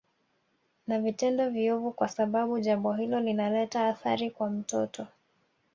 na vitendo viovu kwa sababu jambo hilo linaleta athari kwa mtoto